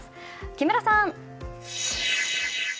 木村さん。